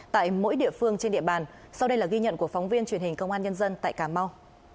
tại mỗi địa phương trên địa bàn sau đây là ghi nhận của phóng viên truyền hình công an nhân dân tại cà mau